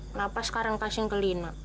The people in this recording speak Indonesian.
kenapa sekarang kasihin ke lina